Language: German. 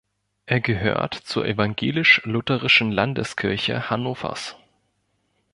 Er gehört zur Evangelisch-Lutherischen Landeskirche Hannovers.